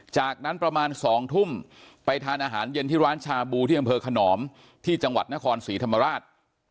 จากนั้นประมาณ๒ทุ่มไปทานอาหารเย็นที่ร้านชาบูที่อำเภอขนอมที่จังหวัดนครศรีธรรมราช